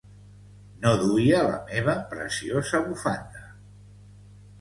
No duia la meva preciosa bufanda.